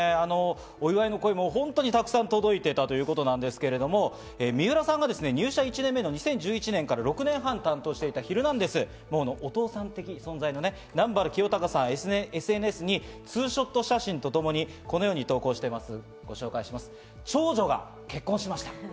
お祝いの声も本当に沢山届いていたということなんですけど、水卜さんが入社１年目の２０１１年から６年半担当していた『ヒルナンデス！』のお父さん的存在の南原清隆さん、Ｉｎｓｔａｇｒａｍに２ショット写真とともにこのように投稿しています。